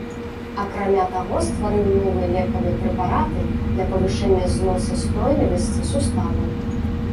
Акрамя таго, стварыў новыя лекавыя прэпараты для павышэння зносаўстойлівасці суставаў.